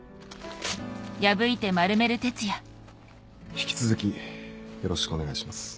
引き続きよろしくお願いします。